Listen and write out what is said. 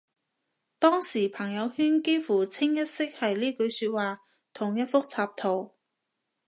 當時朋友圈幾乎清一色係呢句說話同一幅插圖